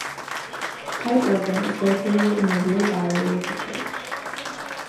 A pipe organ is located in the rear gallery of the church.